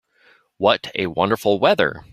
What a wonderful weather!